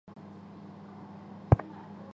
殿试登进士第三甲第一百七十一名。